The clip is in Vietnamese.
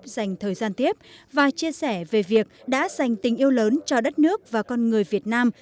nguyễn xuân phúc dành thời gian tiếp và chia sẻ về việc đã dành tình yêu lớn cho đất nước và con người việt nam